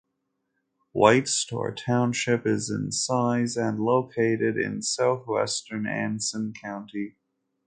White Store Township is in size and located in southwestern Anson County.